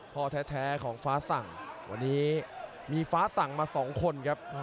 พ่อแท้ของฟ้าสั่งวันนี้มีฟ้าสั่งมาสองคนครับ